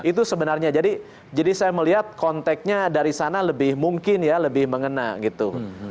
itu sebenarnya jadi saya melihat konteknya dari sana lebih mungkin ya lebih mengena gitu